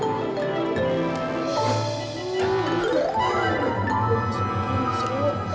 udah kayak si katensia aja